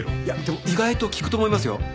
いやでも意外と効くと思いますよ。